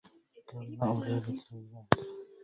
كان مأوى ليلة الميلاد